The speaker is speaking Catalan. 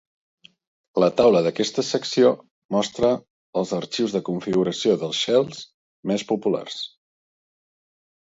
La taula d'aquesta secció mostra els arxius de configuració dels shells més populars.